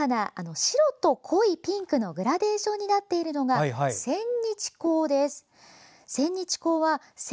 白と濃いピンクのグラデーションになっているのがセンニチコウです。